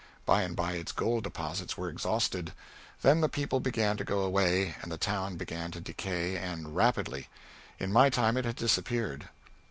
By and by its gold deposits were exhausted; then the people began to go away, and the town began to decay, and rapidly; in my time it had disappeared.